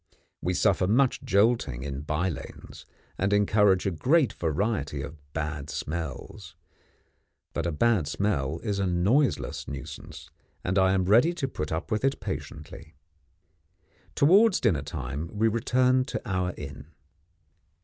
We suffer much jolting in by lanes, and encounter a great variety of bad smells. But a bad smell is a noiseless nuisance, and I am ready to put up with it patiently. Towards dinner time we return to our inn.